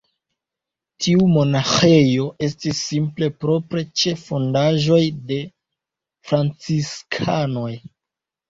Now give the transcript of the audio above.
Tiu monaĥejo estis simple propre ĉe fondaĵoj de franciskanoj.